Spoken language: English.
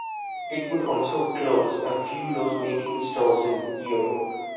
It would also close a few loss making stores in Europe.